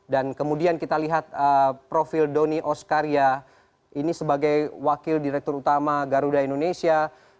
dan kemudian kita lihat profil donny oskaria ini sebagai wakil direktur utama garuda indonesia